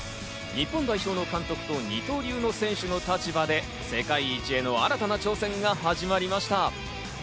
日本代表の監督と、二刀流の選手の立場で、世界一への新たな挑戦が始まりました。